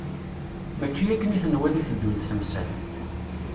Mačči akken i tenwiḍ i teddunt temsal.